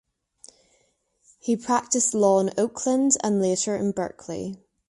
He practiced law in Oakland and later in Berkeley.